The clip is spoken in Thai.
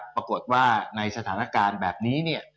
ปรากฏว่าในสถานการณ์แบบนี้เนี่ย